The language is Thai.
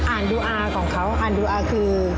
ดูอาของเขาอ่านดูอาคือ